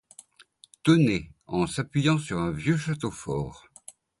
Tenaient, en s'appuyant sur un vieux château-fort